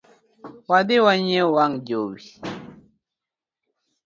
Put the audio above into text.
Wadhi wanyiew wang jowi